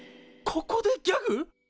ここでギャグ！？